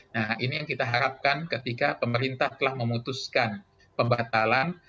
nah ini yang kita harapkan ketika pemerintah telah memutuskan pembatalan